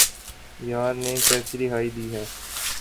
یار نے کیسی رہائی دی ہے